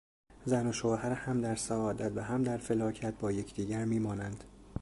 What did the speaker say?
زن و شوهر هم در سعادت و هم در فلاکت با یکدیگر میمانند.